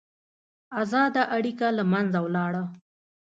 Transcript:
ازاده اړیکه له منځه ولاړه.